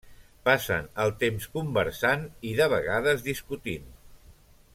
Passen el temps conversant i de vegades discutint.